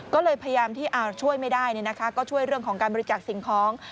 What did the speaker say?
ก็เลยพยายามที่ช่วยไม่ได้ก็ช่วยเรื่องของการบริจาคสิ่งของ